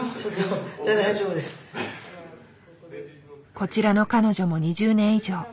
こちらの彼女も２０年以上。